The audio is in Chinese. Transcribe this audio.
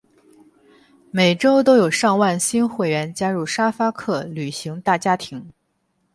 每周都有上万新会员加入沙发客旅行大家庭。